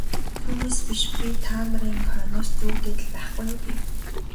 Түүнээс биш та нарын хойноос зүүгдээд л байхгүй юу гэв.